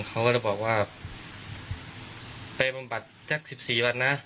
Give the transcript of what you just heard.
เขาก็เลยบอกว่าไปบำบัดสัก๑๔วันนะ